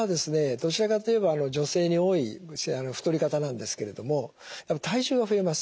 どちらかと言えば女性に多い太り方なんですけれども体重が増えます。